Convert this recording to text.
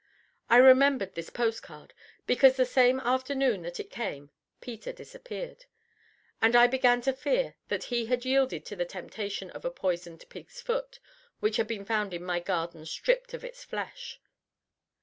I remember this post card because the same afternoon that it came Peter disappeared, and I began to fear that he had yielded to the temptation of a poisoned pig's foot which had been found in my garden stripped of its flesh.